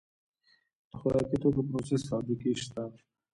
د خوراکي توکو پروسس فابریکې شته